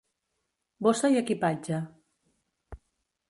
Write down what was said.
Bossa i equipatge